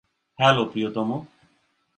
Hello, প্রিয়তম।